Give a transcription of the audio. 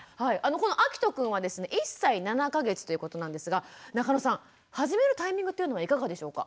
このあきとくんはですね１歳７か月ということなんですが中野さん始めるタイミングというのはいかがでしょうか？